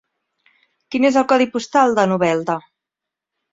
Quin és el codi postal de Novelda?